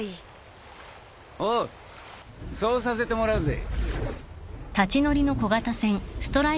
おうそうさせてもらうぜ。